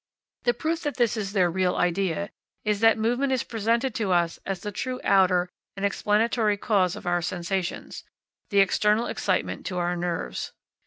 The proof that this is their real idea, is that movement is presented to us as the true outer and explanatory cause of our sensations, the external excitement to our nerves.